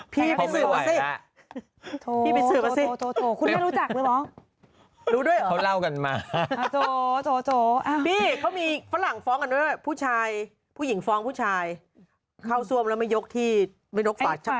พี่เขามีฝรั่งฟ้องกันด้วยเพื่อนผู้ชายก็ไปมีนกฝา๒๔ภาค